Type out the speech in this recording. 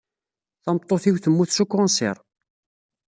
Tameṭṭut-iw temmut s ukensir.